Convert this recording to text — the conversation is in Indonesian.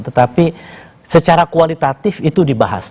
tetapi secara kualitatif itu dibahas